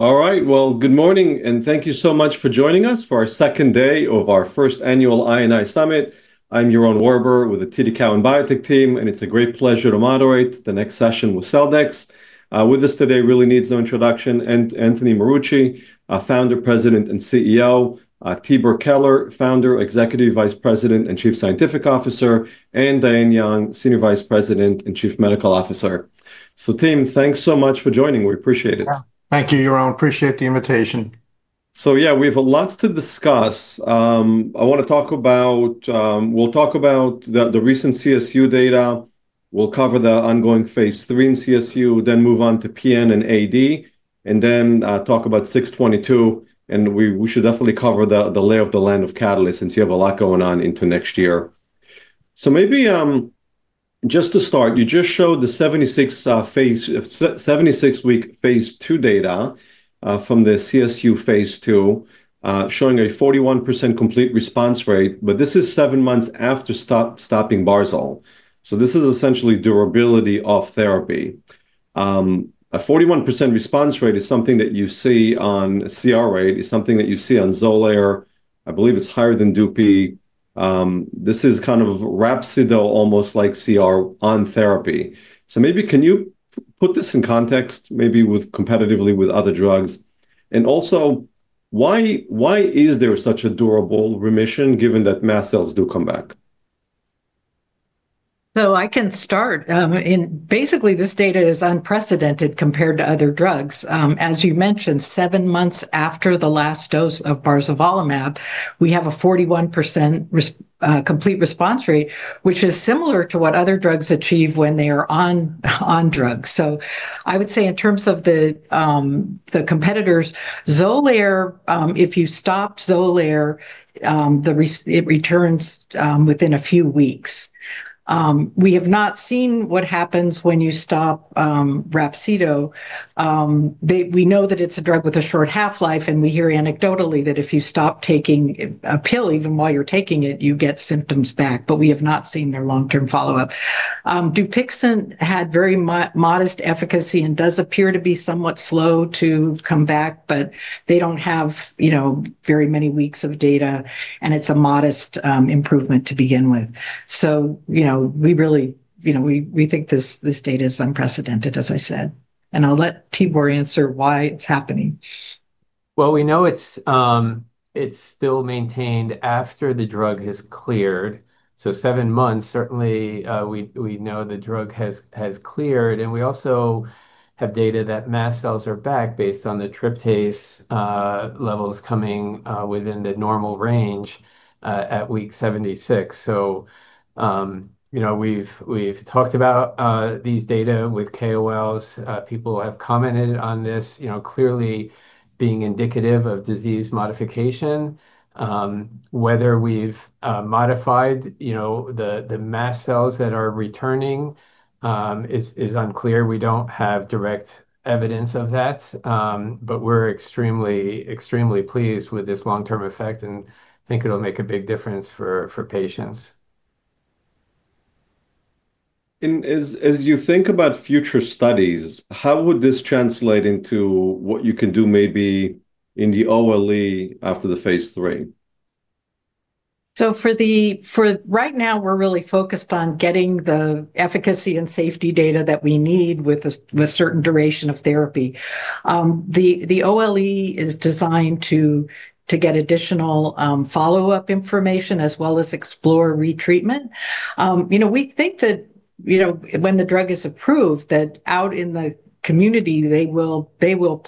All right, good morning, and thank you so much for joining us for our second day of our first annual I&I Summit. I'm Jeroen Warburg with the TidyCal and Biotech Team, and it's a great pleasure to moderate the next session with Celldex. With us today really needs no introduction: Anthony Marucci, Founder, President, and CEO; Tibor Keler, Founder, Executive Vice President, and Chief Scientific Officer; and Diane Young, Senior Vice President and Chief Medical Officer. Team, thanks so much for joining. We appreciate it. Thank you, Jeroen. Appreciate the invitation. Yeah, we have lots to discuss. I want to talk about, we'll talk about the recent CSU data. We'll cover the ongoing phase III in CSU, then move on to PN and AD, and then talk about 622. We should definitely cover the lay of the land of Celldex, since you have a lot going on into next year. Maybe just to start, you just showed the 76-week phase II data from the CSU phase II, showing a 41% complete response rate. This is seven months after stopping barzolvolimab. This is essentially durability of therapy. A 41% response rate is something that you see on CR rate. It's something that you see on Xolair. I believe it's higher than Dupi. This is kind of a ruxolitinib, almost like CR on therapy. Maybe can you put this in context, maybe competitively with other drugs? Why is there such a durable remission, given that mast cells do come back? I can start. Basically, this data is unprecedented compared to other drugs. As you mentioned, seven months after the last dose of barzolvolimab, we have a 41% complete response rate, which is similar to what other drugs achieve when they are on drugs. I would say in terms of the competitors, Xolair, if you stop Xolair, it returns within a few weeks. We have not seen what happens when you stop ruxolitinib. We know that it's a drug with a short half-life, and we hear anecdotally that if you stop taking a pill, even while you're taking it, you get symptoms back. We have not seen their long-term follow-up. Dupixent had very modest efficacy and does appear to be somewhat slow to come back, but they do not have very many weeks of data, and it's a modest improvement to begin with. We really think this data is unprecedented, as I said. I'll let Tibor answer why it's happening. We know it's still maintained after the drug has cleared. Seven months, certainly, we know the drug has cleared. We also have data that mast cells are back based on the tryptase levels coming within the normal range at week 76. We've talked about these data with KOLs. People have commented on this clearly being indicative of disease modification. Whether we've modified the mast cells that are returning is unclear. We don't have direct evidence of that, but we're extremely pleased with this long-term effect and think it'll make a big difference for patients. As you think about future studies, how would this translate into what you can do maybe in the OLE after the phase III? For right now, we're really focused on getting the efficacy and safety data that we need with a certain duration of therapy. The OLE is designed to get additional follow-up information as well as explore retreatment. We think that when the drug is approved, that out in the community, they will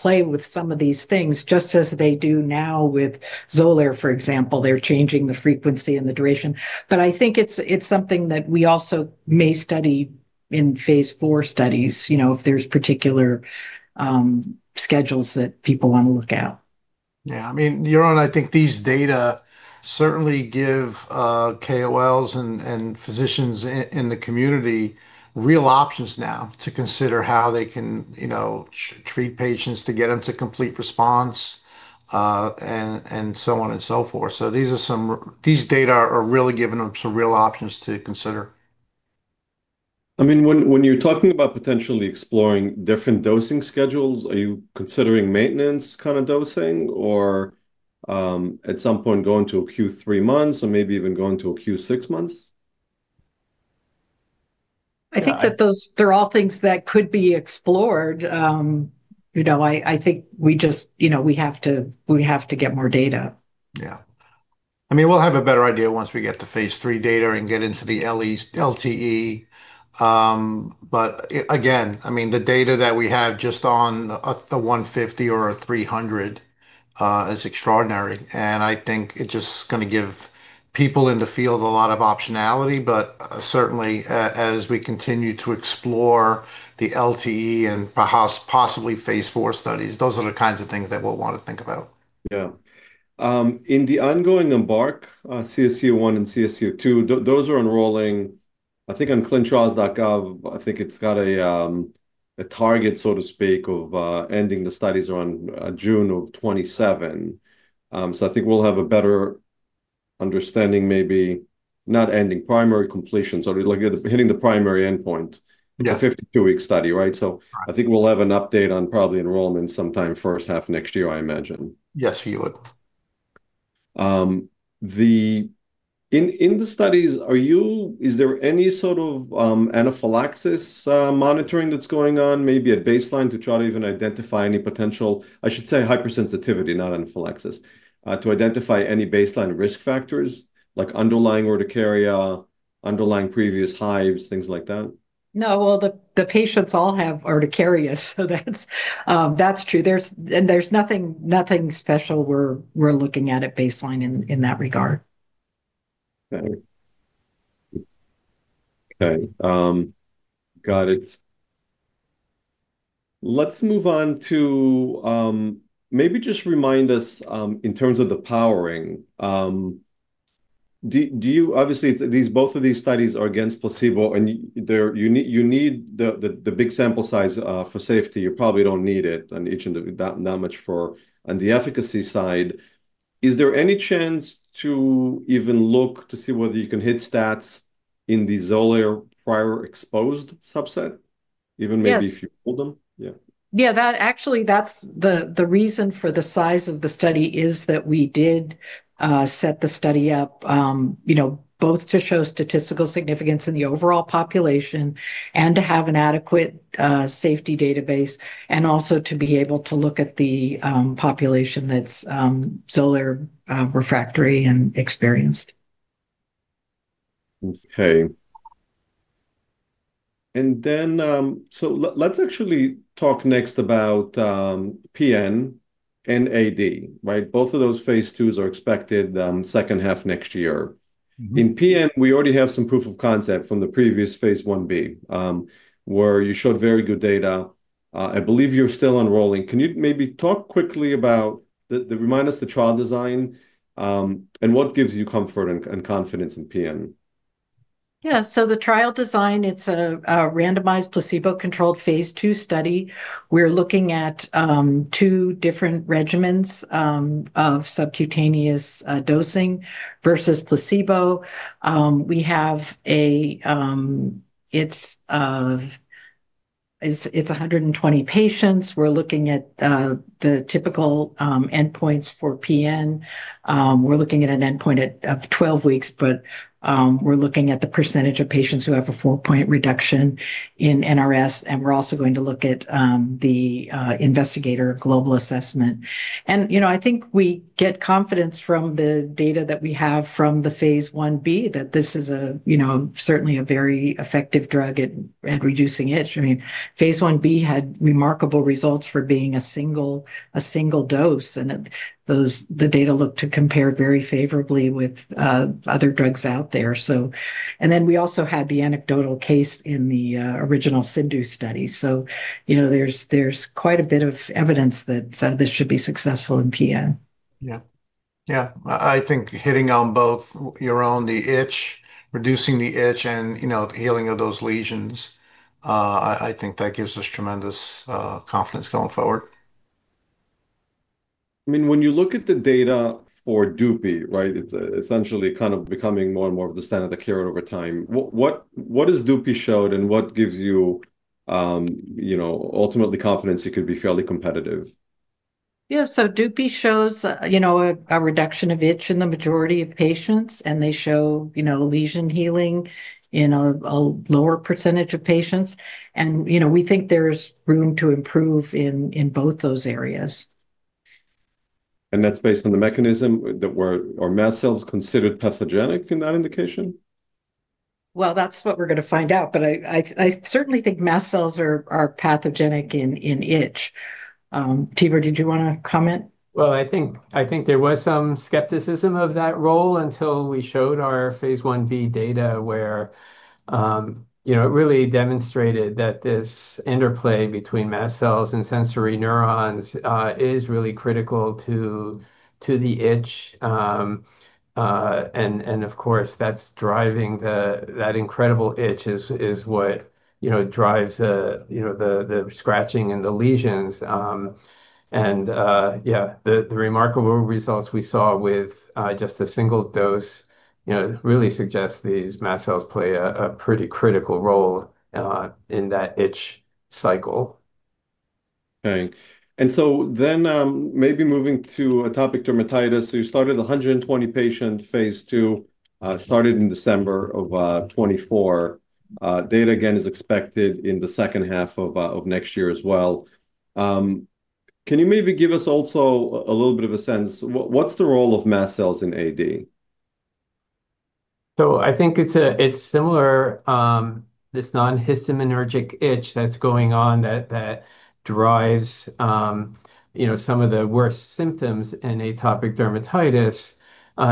play with some of these things, just as they do now with Xolair, for example. They're changing the frequency and the duration. I think it's something that we also may study in phase IV studies if there's particular schedules that people want to look at. Yeah, I mean, Jeroen, I think these data certainly give KOLs and physicians in the community real options now to consider how they can treat patients to get them to complete response and so on and so forth. These data are really giving us some real options to consider. I mean, when you're talking about potentially exploring different dosing schedules, are you considering maintenance kind of dosing or at some point going to a Q3 months or maybe even going to a Q6 months? I think that they're all things that could be explored. I think we just have to get more data. Yeah. I mean, we'll have a better idea once we get the phase III data and get into the LTE. Again, I mean, the data that we have just on the 150 or 300 is extraordinary. I think it's just going to give people in the field a lot of optionality. Certainly, as we continue to explore the LTE and perhaps possibly phase IV studies, those are the kinds of things that we'll want to think about. Yeah. In the ongoing EMBARK-CSU1 and CSU2, those are enrolling, I think, on clinicaltrials.gov. I think it's got a target, so to speak, of ending the studies on June of 2027. I think we'll have a better understanding maybe not ending primary completions, but hitting the primary endpoint, the 52-week study, right? I think we'll have an update on probably enrollment sometime first half next year, I imagine. Yes, we would. In the studies, is there any sort of anaphylaxis monitoring that's going on, maybe at baseline to try to even identify any potential, I should say hypersensitivity, not anaphylaxis, to identify any baseline risk factors like underlying urticaria, underlying previous hives, things like that? No, the patients all have urticaria, so that's true. There's nothing special we're looking at at baseline in that regard. Okay. Okay. Got it. Let's move on to maybe just remind us in terms of the powering. Obviously, both of these studies are against placebo, and you need the big sample size for safety. You probably don't need it on each of them that much for the efficacy side. Is there any chance to even look to see whether you can hit stats in the Xolair prior exposed subset, even maybe if you pull them? Yeah. Yeah, actually, that's the reason for the size of the study is that we did set the study up both to show statistical significance in the overall population and to have an adequate safety database, and also to be able to look at the population that's Xolair refractory and experienced. Okay. And then let's actually talk next about PN and AD, right? Both of those phase IIs are expected second half next year. In PN, we already have some proof of concept from the previous phase I-B, where you showed very good data. I believe you're still enrolling. Can you maybe talk quickly about the remind us the trial design and what gives you comfort and confidence in PN? Yeah. So the trial design, it's a randomized placebo-controlled phase II study. We're looking at two different regimens of subcutaneous dosing versus placebo. It's 120 patients. We're looking at the typical endpoints for PN. We're looking at an endpoint of 12 weeks, but we're looking at the percentage of patients who have a four-point reduction in NRS. And we're also going to look at the investigator global assessment. And I think we get confidence from the data that we have from the phase I-B that this is certainly a very effective drug at reducing it. I mean, phase I-B had remarkable results for being a single dose. And the data look to compare very favorably with other drugs out there. And then we also had the anecdotal case in the original CIndU study. So there's quite a bit of evidence that this should be successful in PN. Yeah. Yeah. I think hitting on both, Jeroen, the itch, reducing the itch, and healing of those lesions, I think that gives us tremendous confidence going forward. I mean, when you look at the data for Dupi, right, it's essentially kind of becoming more and more of the standard of care over time. What has Dupi showed, and what gives you ultimately confidence it could be fairly competitive? Yeah. Dupi shows a reduction of itch in the majority of patients, and they show lesion healing in a lower percentage of patients. We think there's room to improve in both those areas. That's based on the mechanism that were are mast cells considered pathogenic in that indication? That's what we're going to find out. I certainly think mast cells are pathogenic in itch. Tibor, did you want to comment? I think there was some skepticism of that role until we showed our phase I-B data, where it really demonstrated that this interplay between mast cells and sensory neurons is really critical to the itch. Of course, that's driving that incredible itch is what drives the scratching and the lesions. Yeah, the remarkable results we saw with just a single dose really suggest these mast cells play a pretty critical role in that itch cycle. Okay. And then maybe moving to atopic dermatitis. You started 120 patients, phase II started in December of 2024. Data, again, is expected in the second half of next year as well. Can you maybe give us also a little bit of a sense? What's the role of mast cells in AD? I think it's similar. This non-histaminergic itch that's going on that drives some of the worst symptoms in atopic dermatitis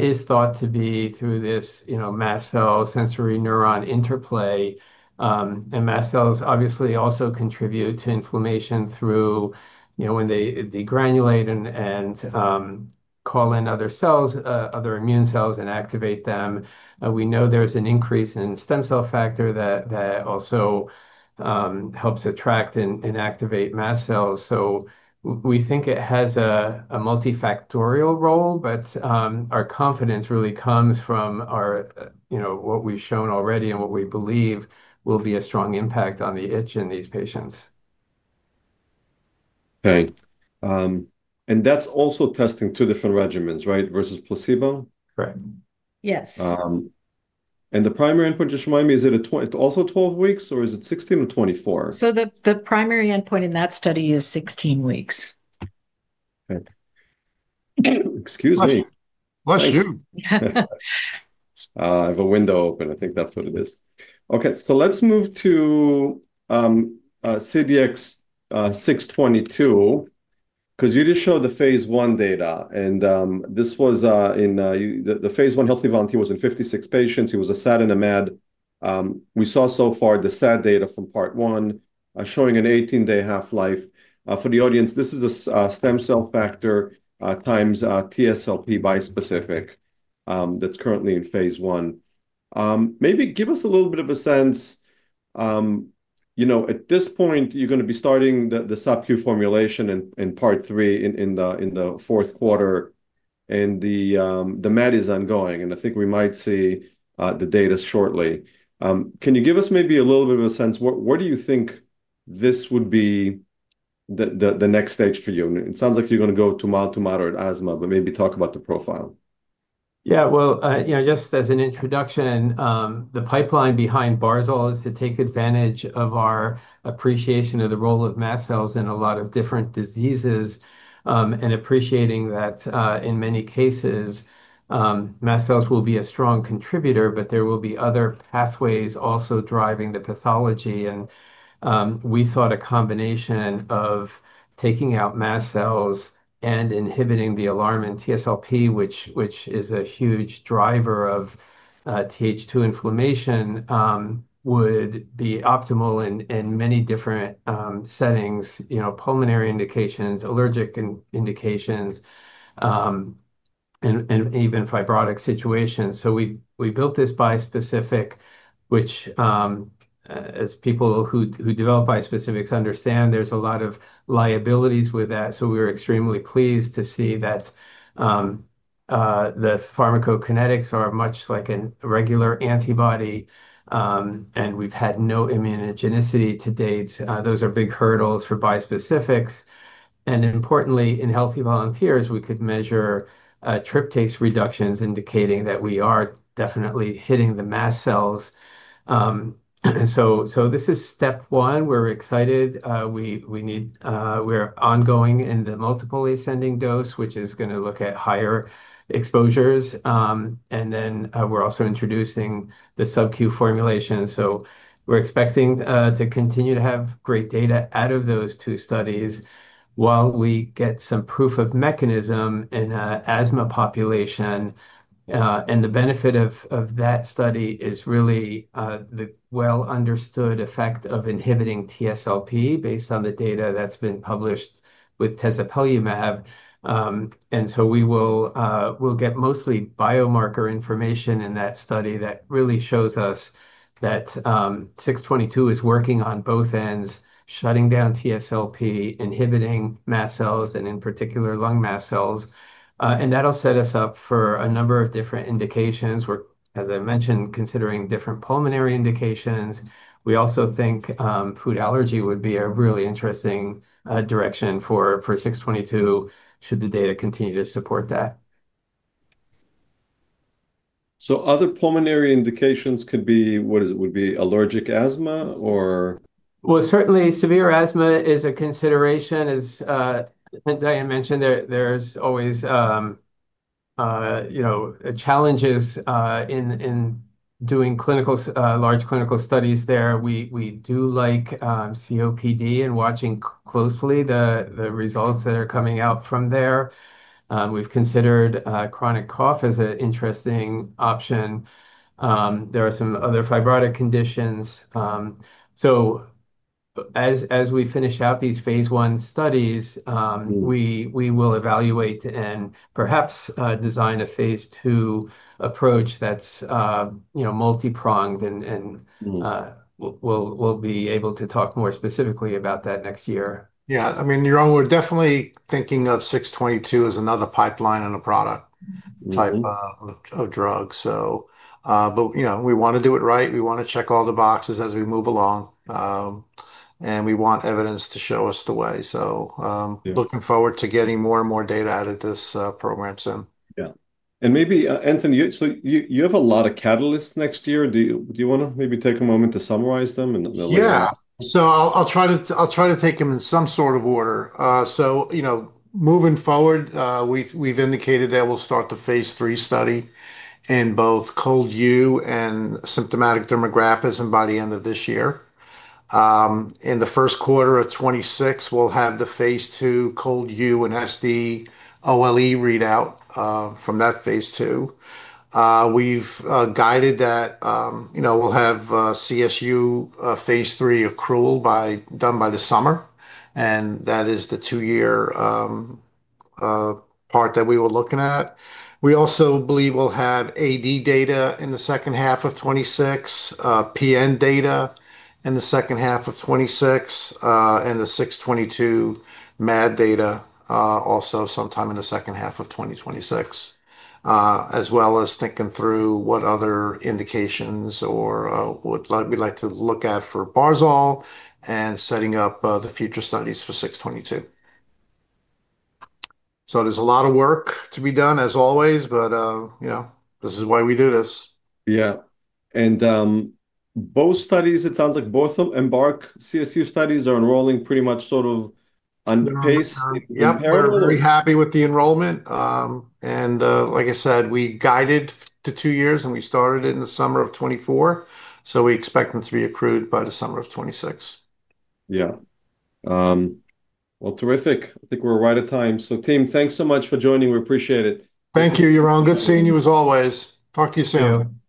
is thought to be through this mast cell sensory neuron interplay. Mast cells obviously also contribute to inflammation through when they degranulate and call in other cells, other immune cells, and activate them. We know there's an increase in stem cell factor that also helps attract and activate mast cells. We think it has a multifactorial role, but our confidence really comes from what we've shown already and what we believe will be a strong impact on the itch in these patients. Okay. That is also testing two different regimens, right, versus placebo? Correct. Yes. The primary endpoint, just remind me, is it also 12 weeks, or is it 16 or 24? The primary endpoint in that study is 16 weeks. Okay. Excuse me. Bless you. I have a window open. I think that's what it is. Okay. Let's move to CDX-622 because you just showed the phase I data. This was in the phase I healthy volunteer, was in 56 patients. It was a SAD and a MAD. We saw so far the SAD data from part one showing an 18-day half-life. For the audience, this is a stem cell factor times TSLP bispecific that's currently in phase I. Maybe give us a little bit of a sense. At this point, you're going to be starting the subQ formulation in part three in the fourth quarter, and the MAD is ongoing. I think we might see the data shortly. Can you give us maybe a little bit of a sense? What do you think this would be the next stage for you? It sounds like you're going to go to mild to moderate asthma, but maybe talk about the profile. Yeah. Just as an introduction, the pipeline behind barzolvolimab is to take advantage of our appreciation of the role of mast cells in a lot of different diseases and appreciating that in many cases, mast cells will be a strong contributor, but there will be other pathways also driving the pathology. We thought a combination of taking out mast cells and inhibiting the alarmin TSLP, which is a huge driver of TH2 inflammation, would be optimal in many different settings, pulmonary indications, allergic indications, and even fibrotic situations. We built this bispecific, which, as people who develop bispecifics understand, there is a lot of liabilities with that. We were extremely pleased to see that the pharmacokinetics are much like a regular antibody, and we have had no immunogenicity to date. Those are big hurdles for bispecifics. Importantly, in healthy volunteers, we could measure tryptase reductions indicating that we are definitely hitting the mast cells. This is step one. We're excited. We're ongoing in the multiple ascending dose, which is going to look at higher exposures. We're also introducing the subQ formulation. We're expecting to continue to have great data out of those two studies while we get some proof of mechanism in an asthma population. The benefit of that study is really the well-understood effect of inhibiting TSLP based on the data that's been published with Tezspire. We will get mostly biomarker information in that study that really shows us that 622 is working on both ends, shutting down TSLP, inhibiting mast cells, and in particular, lung mast cells. That will set us up for a number of different indications. We're, as I mentioned, considering different pulmonary indications. We also think food allergy would be a really interesting direction for 622 should the data continue to support that. Other pulmonary indications could be, what is it, would be allergic asthma or? Certainly, severe asthma is a consideration. As I mentioned, there's always challenges in doing large clinical studies there. We do like COPD and watching closely the results that are coming out from there. We've considered chronic cough as an interesting option. There are some other fibrotic conditions. As we finish out these phase I studies, we will evaluate and perhaps design a phase II approach that's multi-pronged, and we'll be able to talk more specifically about that next year. Yeah. I mean, Jeroen, we're definitely thinking of 622 as another pipeline and a product type of drug. We want to do it right. We want to check all the boxes as we move along. We want evidence to show us the way. Looking forward to getting more and more data out of this program soon. Yeah. Maybe, Anthony, you have a lot of catalysts next year. Do you want to maybe take a moment to summarize them and then let me know? Yeah. I'll try to take them in some sort of order. Moving forward, we've indicated that we'll start the phase III study in both cold U and symptomatic dermographism by the end of this year. In the first quarter of 2026, we'll have the phase II cold U and SD OLE readout from that phase II. We've guided that we'll have CSU phase III accrual done by the summer. That is the two-year part that we were looking at. We also believe we'll have AD data in the second half of 2026, PN data in the second half of 2026, and the 622 MAD data also sometime in the second half of 2026, as well as thinking through what other indications or what we'd like to look at for barzol and setting up the future studies for 622. There's a lot of work to be done, as always, but this is why we do this. Yeah. In both studies, it sounds like both of Embark CSU studies are enrolling pretty much sort of unpaced. Yeah. We're very happy with the enrollment. Like I said, we guided to two years, and we started it in the summer of 2024. We expect them to be accrued by the summer of 2026. Yeah. Terrific. I think we're right at time. Tim, thanks so much for joining. We appreciate it. Thank you, Jeroen. Good seeing you as always. Talk to you soon. You.